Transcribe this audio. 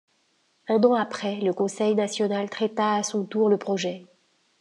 Un an après, le Conseil national traita à son tour le projet.